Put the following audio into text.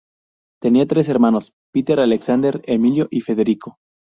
Tenía tres hermanos: Peter Alexander, Emilio y Federico.